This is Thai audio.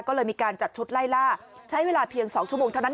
ก็เลยมีการจัดชุดไล่ล่าใช้เวลาเพียง๒ชั่วโมงเท่านั้น